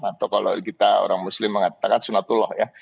atau kalau kita orang muslim mengatakan sunatullah ya